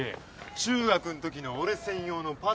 中学んときの俺専用のパシリ。